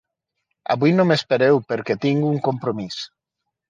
Avui no m'espereu perquè tinc un compromís.